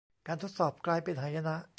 การทดสอบกลายเป็นหายนะ